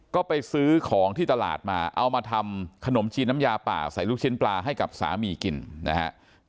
ก็ไปซื้อของที่ตลาดมาเอามาทำขนมจีนน้ำยาป่าใส่ลูกชิ้นปลาให้กับสามีกินนะฮะ